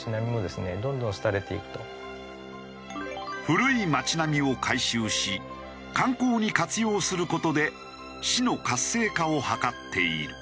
古い町並みを改修し観光に活用する事で市の活性化を図っている。